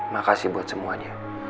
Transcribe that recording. makasih buat semuanya